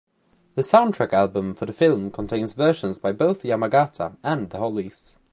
The soundtrack album for the film contains versions by both Yamagata and the Hollies.